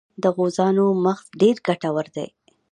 د غوزانو مغز ډیر ګټور دی.